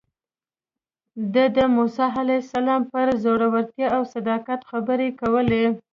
ده د موسی علیه السلام پر زړورتیا او صداقت خبرې کولې.